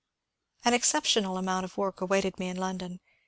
An exceptional amount of work awaited me in London.